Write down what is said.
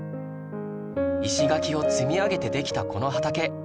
石垣を積み上げてできたこの畑